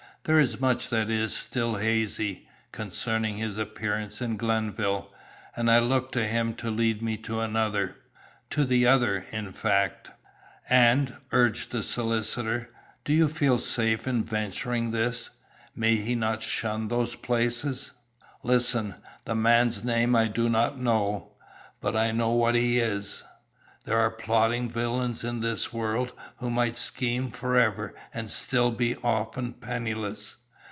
There is much that is still hazy, concerning his appearance in Glenville, and I look to him to lead me to another to the other, in fact." "And," urged the solicitor, "do you feel safe in venturing this? May he not shun those places?" "Listen! The man's name I do not know, but I know what he is. There are plotting villains in this world, who might scheme forever and still be often penniless.